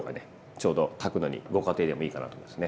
ちょうど炊くのにご家庭でもいいかなと思いますね。